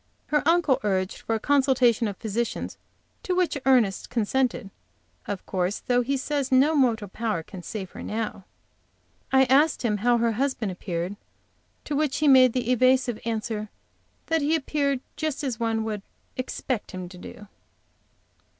Her uncle urged for a consultation of physicians, to which Ernest consented, of course, though he says no mortal power can save her now. I asked him how her husband appeared, to which he made the evasive answer that he appeared just as one would expect him to do.